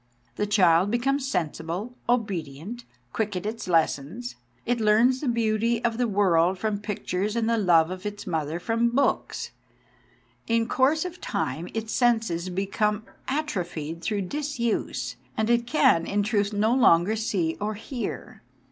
The child becomes sensible, obedient, quick at its lessons. It learns the beauty of the world from pictures and the love of its THE FOLLY OF EDUCATION 235 mother from books. In course of time its senses become atrophied through disuse, and it can, in truth, no longer see or hear.